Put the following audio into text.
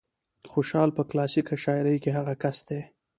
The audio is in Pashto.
خوشال په کلاسيکه شاعرۍ کې هغه کس دى